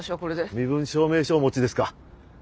身分証明書お持ちですか？